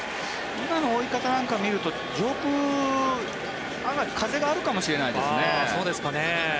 今の追い方を見ると上空、風があるかもしれないですね。